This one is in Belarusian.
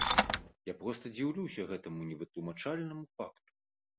Я проста дзіўлюся гэтаму невытлумачальнаму факту.